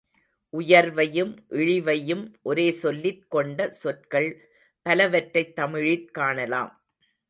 உயர்வையும் இழிவையும் ஒரே சொல்லிற் கொண்ட சொற்கள் பலவற்றைத் தமிழிற் காணலாம்.